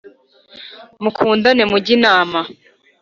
mukundane mujye inama